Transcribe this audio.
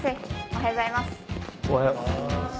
おはようございます。